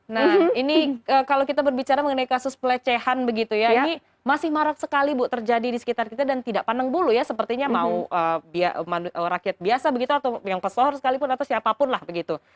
nah ini kalau kita berbicara mengenai kasus pelecehan begitu ya ini masih marak sekali bu terjadi di sekitar kita dan tidak pandang bulu ya sepertinya mau rakyat biasa begitu atau yang pesohor sekalipun atau siapapun lah begitu